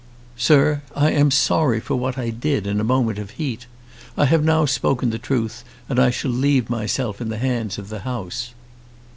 Sir, I am sorry for what I did in a moment of heat. I have now spoken the truth, and I shall leave myself in the hands of the House.'